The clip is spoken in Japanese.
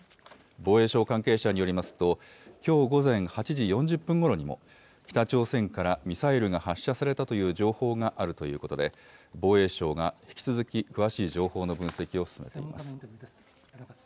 防衛省関係者によりますと、きょう午前８時４０分ごろにも、北朝鮮からミサイルが発射されたという情報があるということで、防衛省が引き続き詳しい情報の分析を進めています。